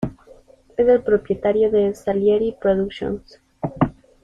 Es el propietario de Salieri Productions.